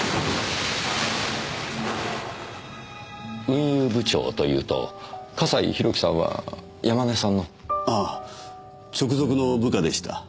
運輸部長というと笠井宏樹さんは山根さんの。ああ直属の部下でした。